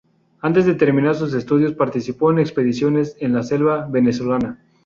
Antes de terminar sus estudios, participó en expediciones en la selva venezolana.